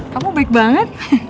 kamu baik banget